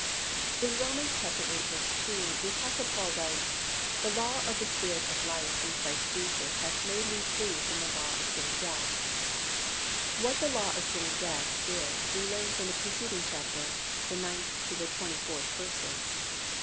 In Rom. viii. 2 the Apostle Paul writes, "The law of the Spirit of life in Christ Jesus hath made me free from the law of sin and death." What the law of sin and death is we learn from the preceding chapter, the ninth to the twenty fourth verses.